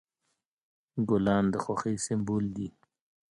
ګلان د خوښۍ سمبول دي.